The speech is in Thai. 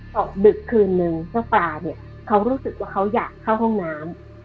ตกดึกคืนนึงเจ้าปลาเนี่ยเขารู้สึกว่าเขาอยากเข้าห้องน้ำ